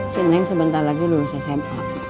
si neng sebentar lagi lulus sma